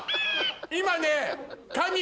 今ね。